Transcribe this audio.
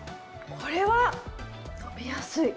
これは飲みやすい！